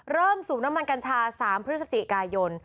สูบน้ำมันกัญชา๓พฤศจิกายน